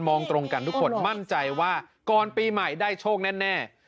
ตรงกันทุกคนมั่นใจว่าก่อนปีใหม่ได้โชคแน่